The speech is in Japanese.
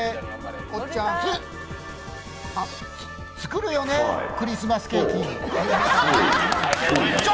作るよね、クリスマスケーキ。